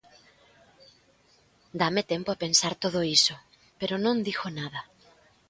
Dáme tempo a pensar todo iso, pero non digo nada.